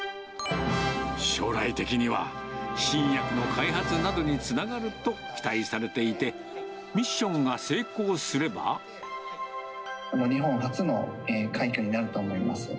将来的には、新薬の開発などにつながると期待されていて、日本初の快挙になると思います。